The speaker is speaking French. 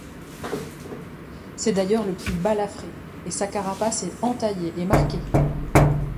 C'est d'ailleurs le plus balafré, et sa carapace est entaillée et marquée.